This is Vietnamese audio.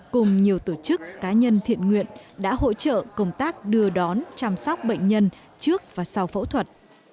cùng nhiều tổ chức cá nhân thiện nguyện đã hỗ trợ công tác đưa đón chăm sóc bệnh nhân trước và sau phẫu thuật